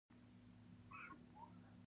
زه به سبا پېښور ته ځم